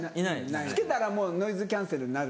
着けたらノイズキャンセルになる。